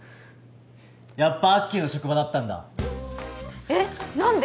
やっぱアッキーの職場だったんだえっ！？何で？